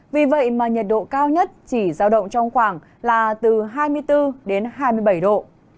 vì vậy mà nhiệt độ cao nhất chỉ giao động trong khoảng là từ hai mươi bốn đến hai mươi bảy độ